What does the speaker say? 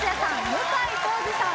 向井康二さん